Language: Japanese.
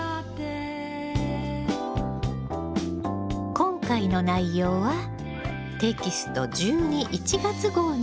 今回の内容はテキスト１２・１月号に掲載されています。